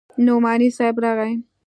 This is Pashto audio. نعماني صاحب راغى.